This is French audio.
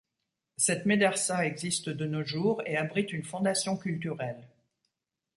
Cette médersa existe de nos jours et abrite une fondation culturelle.